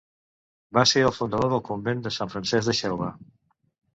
Va ser el fundador del Convent de Sant Francesc de Xelva.